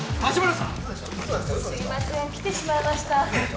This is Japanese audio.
すいません来てしまいました。